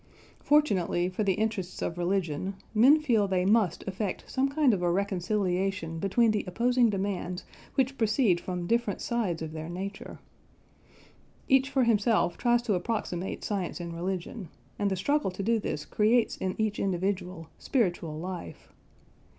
Fortunately for the interests of religion, men feel they must effect some kind of a reconciliation between the opposing demands which proceed from different sides of their nature. Each for himself tries to approximate science and religion, and the struggle to do this creates in each individual spiritual life.